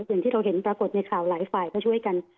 อย่างที่เราเห็นปรากฏในข่าวหลายฝ่ายก็ช่วยกัน